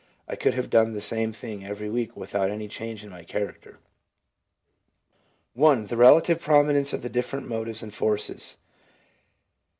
I could have done the same thing every week without any change in my character/ 1. The Relative Prominence of the Different Motives and Forces.